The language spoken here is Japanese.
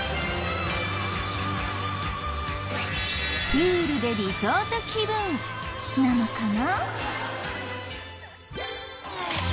プールでリゾート気分なのかな？